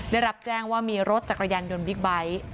ได้รับแจ้งว่ามีรถจักรยานยนต์บิ๊กไบท์